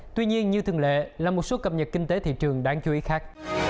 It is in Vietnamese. tuy nhiên như thường lệ là một số cập nhật kinh tế thị trường đáng chú ý khác